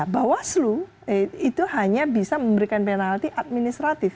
bahwa seluruh itu hanya bisa memberikan penalti administratif